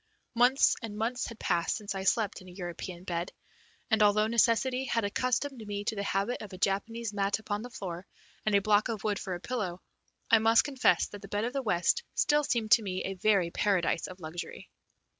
Months and months had passed since I slept in a European bed, and, although necessity had accustomed me to the habit of a Japanese mat upon the floor and a block of wood for a pillow, I must confess that the bed of the West still seemed to me a very paradise of luxury.